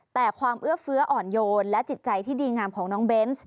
แต่ความเอื้อเฟื้ออ่อนโยนและจิตใจที่ดีงามของน้องเบนส์